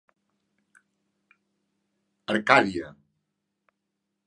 Arcàdia.